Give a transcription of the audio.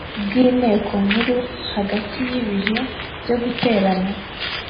bw inteko nkuru hagati y ibihe byo guterana